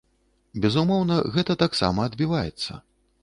Безумоўна, гэта таксама адбіваецца.